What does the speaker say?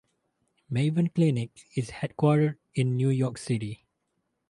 Maven Clinic is headquartered in New York City.